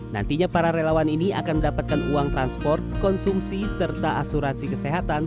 nantinya para relawan ini akan mendapatkan uang transport konsumsi serta asuransi kesehatan